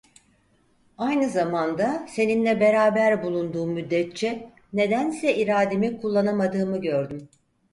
Aynı zamanda, seninle beraber bulunduğum müddetçe, nedense irademi kullanamadığımı gördüm.